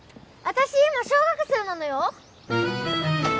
私今小学生なのよ